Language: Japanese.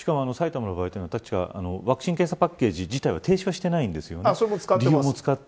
しかも、埼玉の場合は確かワクチン・検査パッケージ自体は停止してないんですよね。